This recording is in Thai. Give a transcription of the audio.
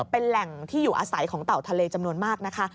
เป็นแหล่งที่อยู่อาศัยของเต่าทะเลจำนวนมากนะคะ